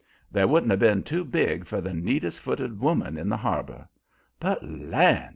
They wouldn't 'a' been too big for the neatest footed woman in the Harbor. But Land!